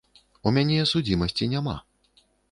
У мяне судзімасці няма.